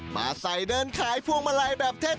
มาใส่เดินขายพวงมาลัยแบบเทศ